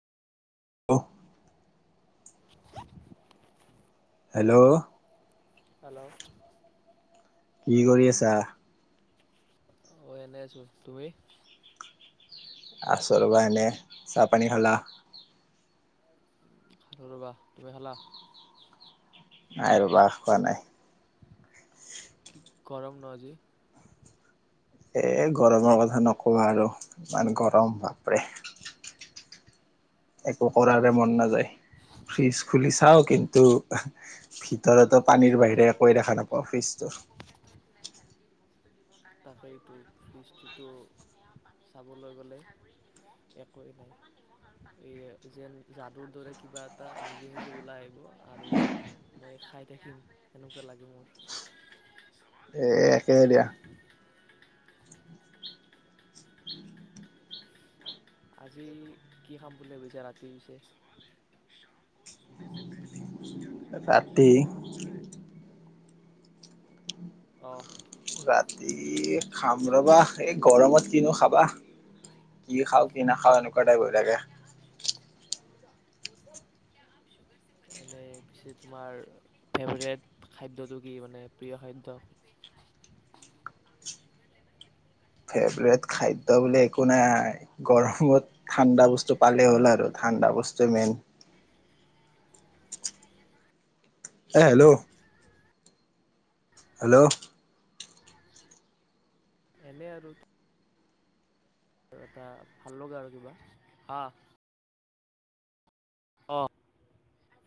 হেল hello hello কি কৰি আছা অ এনেই আছো তুমি আচ পৰা এনে চাহপানী খালা আৰু ৰ'বা তুমি খালা নাই ৰব হোৱা নাই কি গৰম ন আজি এ গৰমৰ কথা নকবা আৰু ইমান গৰম ভাপৰে একো কৰাৰে মন নাযায় ফ্ৰিজ খুলি চাও কিন্তু ভিতৰতো পানীৰ বাহিৰে একো দেখা নাপাওঁ ফ্ৰিজটো তাকেইটো ফ্ৰিজটোটো চাবলৈ গ'লে একোৱেই নাই এই যেন যাদুৰ দৰে কিবা এটা নিজে নিজে ওলাই আহিব আৰু মই খাই থাকিম সেনেকুৱা লাগে মোৰ এই একে দিয়া আজি কি খাম বুলি ভাবিছে ৰাতি পিছে ৰাতি আহ ৰাতি খাম ৰবা এই গৰমত কিনো খাবা কি খাও কি নাখাও এনেকুৱা টাইপ হৈ থাকে তাৰপিছে তোমাৰ ফেভৰেট খাদ্যটো কি মানে প্ৰিয় খাদ্য ফেভৰেট খাদ্য বুলি একো নাই গৰমত ঠাণ্ডা বস্তু পালেই হ'ল আৰু ঠাণ্ডা বস্তু মেইন আহ হেল্ল' হেল্ল' এনে আৰু আৰু আৰু এটা ভাল লগা আৰু কিবা হাঁহ অ